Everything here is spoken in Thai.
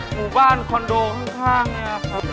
หมู่บ้านคอนโดข้างเนี่ยครับ